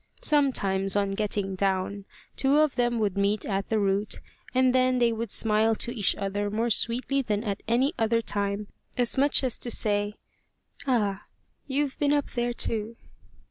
Sometimes, on getting down, two of them would meet at the root, and then they would smile to each other more sweetly than at any other time, as much as to say, "Ah, you've been up there too!"